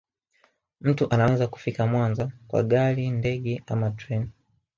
Mtu anaweza kufika Mwanza kwa gari ndege ama treni